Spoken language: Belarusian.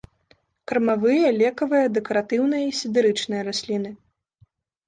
Кармавыя, лекавыя, дэкаратыўныя і сідэрычныя расліны.